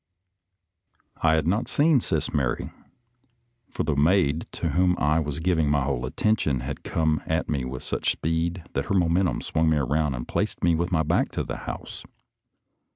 I had not seen Sis Mary, for the maid to whom I was giving my whole attention had come at me with such speed that her momentum swung me around and placed me with my back to the house.